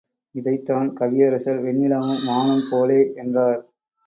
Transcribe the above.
இதைத்தான் கவியரசர் வெண்ணிலாவும் வானும் போலே என்றார்.